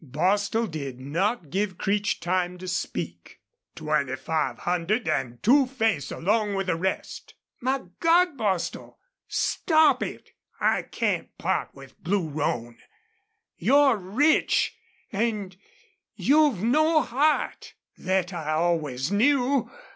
Bostil did not give Creech time to speak. "Twenty five hundred an' Two Face along with the rest!" "My God, Bostil stop it! I can't PART with Blue Roan. You're rich an' you've no heart. Thet I always knew.